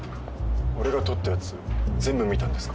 俺が撮ったやつ全部見たんですか？